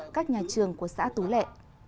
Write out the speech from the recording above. các nhà trường của xã tú lệ